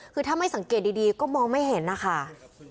คือถ้าไม่สังเกตดีก็มองไม่เห็นนะคะ